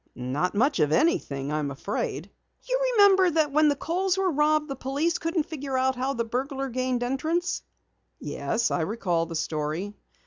"Not much of anything, I am afraid." "You remember that when the Kohls were robbed the police couldn't figure out how the burglar gained entrance?" "Yes, I recall the story."